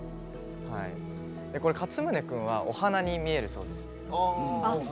かつむね君はお花に見えるそうです。